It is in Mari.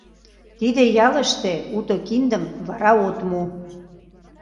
Тиде ялыште уто киндым вара от му.